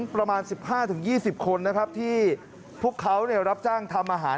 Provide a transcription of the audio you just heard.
ประมาณ๑๕๒๐คนนะครับที่พวกเขารับจ้างทำอาหาร